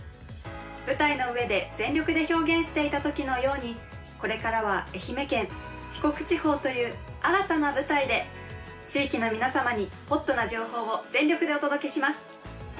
舞台の上で全力で表現していたときのようにこれからは愛媛県四国地方という新たな舞台で地域の皆様にホットな情報を全力でお届けします。